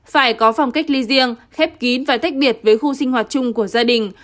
phải có phòng cách ly riêng khép kín và tách biệt với khu sinh hoạt chung của gia đình